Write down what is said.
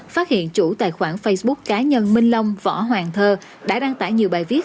phát hiện chủ tài khoản facebook cá nhân minh long võ hoàng thơ đã đăng tải nhiều bài viết